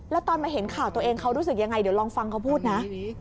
แล้วตอนมาเห็นข่าวตัวเองเขารู้สึกยังไงเดี๋ยวลองฟังเขาพูดนะ